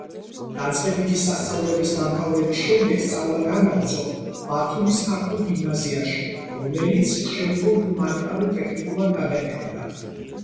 დაწყებითი სასწავლებლის დამთავრების შემდეგ სწავლა განაგრძო ბათუმის ქართულ გიმნაზიაში, რომელიც შემდგომ ჰუმანიტარულ ტექნიკუმად გადაკეთდა.